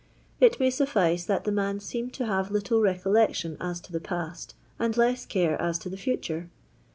It may suffice that the man seemed to have little recollection as to the pasty and less care as to the fatore.